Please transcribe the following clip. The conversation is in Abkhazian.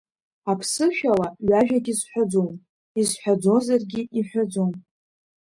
Аԥсышәала ҩажәак изҳәаӡом, изҳәаӡозаргьы иҳәаӡом.